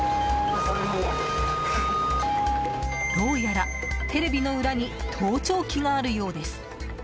どうやら、テレビの裏に盗聴器があるようです。